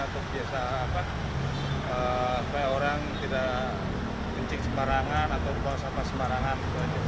untuk biasa apa supaya orang tidak kencing sebarangan atau bawa sampah sebarangan